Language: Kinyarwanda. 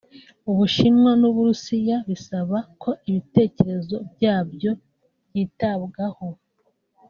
u Bushinwa n’u Burusiya bisaba ko ibitekerezo byabyo byitabwaho